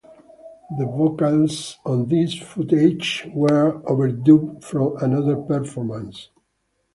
The vocals on this footage were overdubbed from another performance.